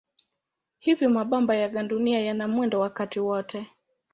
Hivyo mabamba ya gandunia yana mwendo wakati wote.